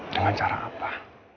dengan cara apa